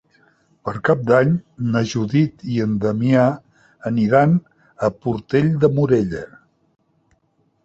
Per Cap d'Any na Judit i en Damià aniran a Portell de Morella.